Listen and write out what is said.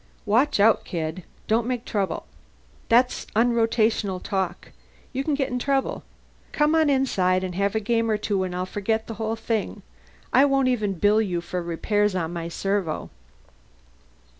"Watch out, kid. Don't make trouble. That's unrotational talk. You can get in trouble. Come on inside and have a game or two, and I'll forget the whole thing. I won't even bill you for repairs on my servo."